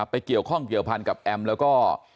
เกี่ยวข้องเกี่ยวพันกับแอมแล้วก็